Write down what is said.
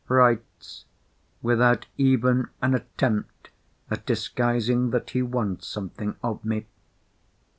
—writes, without even an attempt at disguising that he wants something of me.